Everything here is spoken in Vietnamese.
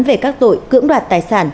về các tội cưỡng đoạt tài sản